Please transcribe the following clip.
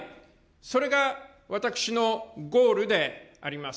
それが私のゴールであります。